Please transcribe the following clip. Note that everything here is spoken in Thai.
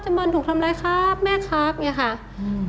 เจมส์บอลถูกทำอะไรครับแม่ครับอย่างนี้ค่ะ